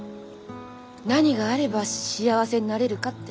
何があれば幸せになれるかって。